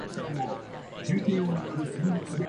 The significance of the name "Santa Ruba" is also unclear.